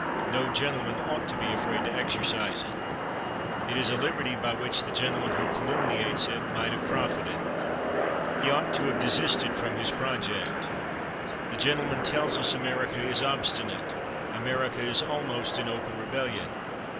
No gentleman ought to be afraid to exercise it. It is a liberty by which the gentleman who calumniates it might have profited. He ought to have desisted from his project. The gentleman tells us, America is obstinate; America is almost in open rebellion.